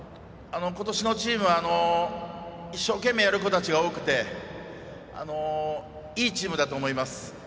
ことしのチームは一生懸命やる子たちが多くていいチームだと思います。